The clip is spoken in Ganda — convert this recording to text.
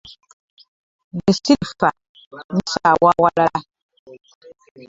Bwesirifa ndi saawa awalala.